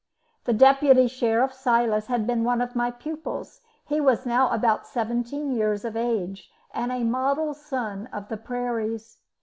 The Deputy Sheriff, Silas, had been one of my pupils; he was now about seventeen years of age, and a model son of the prairies.